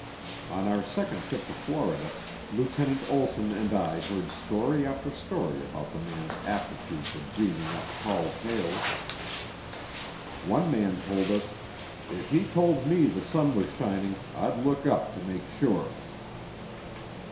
On our second trip to Florida, Lieutenant Olsson and I heard story after story about the man's aptitude for dreaming up tall tales. One man told us, "If he told me the sun was shining, I'd look up to make sure."